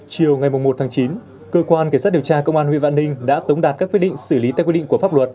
chiều ngày một chín cơ quan kiểm soát điều tra công an huyện vạn ninh đã tống đạt các quyết định xử lý theo quyết định của pháp luật